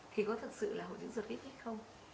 thì có thực sự là hội chứng ruột kích thích không